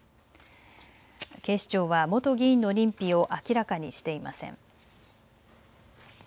警視庁は元議員の認否を明らかにしていません。